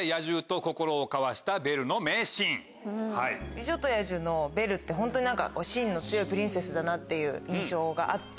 『美女と野獣』のベルってホントに心の強いプリンセスだなっていう印象があって。